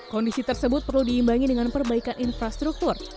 kondisi tersebut perlu diimbangi dengan perbaikan infrastruktur